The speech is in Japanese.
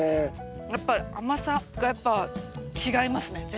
やっぱり甘さがやっぱ違いますね全然。